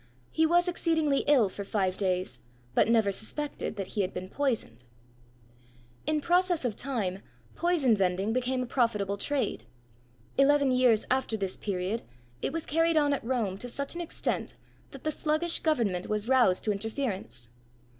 He was exceedingly ill for five days, but never suspected that he had been poisoned. In process of time, poison vending became a profitable trade. Eleven years after this period, it was carried on at Rome to such an extent, that the sluggish government was roused to interference.